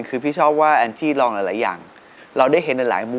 เพราะว่าเพราะว่าเพราะว่าเพราะ